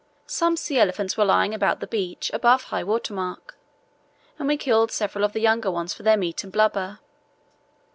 Some sea elephants were lying about the beach above high water mark, and we killed several of the younger ones for their meat and blubber.